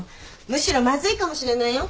むしろまずいかもしれないよ。